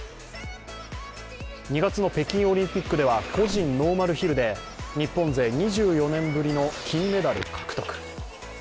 ２月の北京オリンピックでは、個人ノーマルヒルで日本勢２４年ぶりの金メダル獲得。